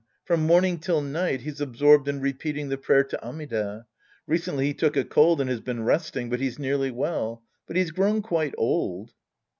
From morning till night, he's absorbed in repeating the prayer to Amida. Recently he took a cold and's been resting, but he's nearly well. But he's grown quite old.